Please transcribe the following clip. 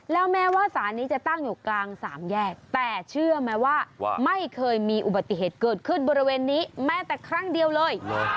แล้วแม้ว่าสารนี้จะตั้งอยู่กลางสามแยกแต่เชื่อไหมว่าไม่เคยมีอุบัติเหตุเกิดขึ้นบริเวณนี้แม้แต่ครั้งเดียวเลย